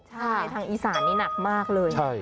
ใช่ทางอีสานนี่หนักมากเลย